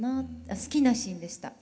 好きなシーンでした。